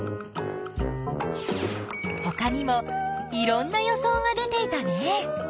ほかにもいろんな予想が出ていたね。